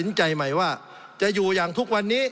สงบจนจะตายหมดแล้วครับ